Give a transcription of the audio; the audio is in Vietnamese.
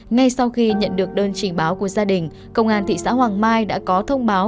ngay sau khi nhận được đơn trình báo của gia đình công an thị xã hoàng mai đã có thông báo